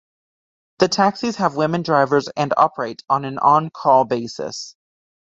The taxis have women drivers, and operate on an on-call basis.